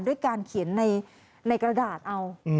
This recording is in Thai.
ด้วยการเขียนในกระดาษเอา